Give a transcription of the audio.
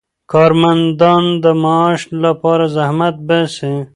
کارمندان د معاش لپاره زحمت باسي.